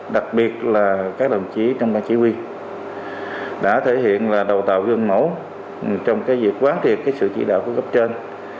đặc biệt là các đồng chí trong ban chỉ huy đã thể hiện là đầu tạo gương mẫu trong cái việc quán thiệt cái sự chỉ đạo của gấp trên